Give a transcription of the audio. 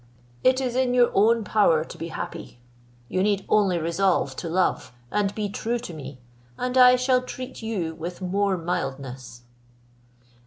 It is in your own power to be happy. You need only resolve to love, and be true to me, and I shall treat you with more mildness."